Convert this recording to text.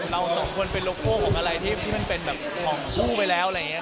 เราสองคนเป็นโลโก้ของอะไรที่มันเป็นแบบของคู่ไปแล้วอะไรอย่างนี้